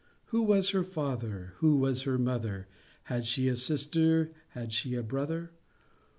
Who was her father? Who was her mother? Had she a sister? Had she a brother?